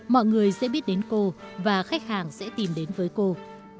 mọi người sẽ biết đến cô và khách hàng sẽ tìm đến với cô vì thế sự kiện này luôn rất quan trọng